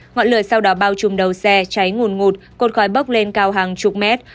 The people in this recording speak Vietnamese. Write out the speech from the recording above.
ngọn lửa sau đó bao trùm đầu xe cháy ngùn ngụt cột khói bốc lên cao hàng chục mét